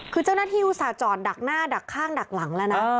คือเจ้าหน้าที่อุตส่าห์จอดดักหน้าดักข้างดักหลังแล้วนะ